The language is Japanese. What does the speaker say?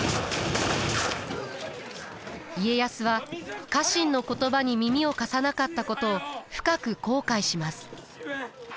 家康は家臣の言葉に耳を貸さなかったことを深く後悔します。